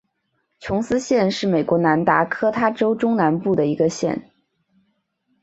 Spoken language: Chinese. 琼斯县是美国南达科他州中南部的一个县。